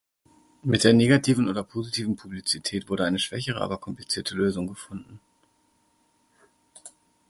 Mit der „negativen“ oder „positiven Publizität“ wurde eine schwächere, aber komplizierte Lösung gefunden.